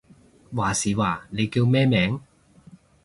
話時話，你叫咩名？